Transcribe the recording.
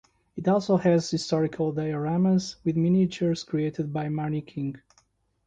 It also has historical dioramas with miniatures created by Marnie King.